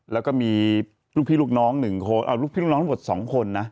แล้วก็มีลูกพี่ลูกน้องหนึ่งคนเอ้าลูกพี่ลูกน้องทั้งหมดสองคนนะ